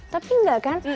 tapi enggak kan